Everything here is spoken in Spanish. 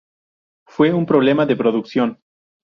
Fue un problema de producción.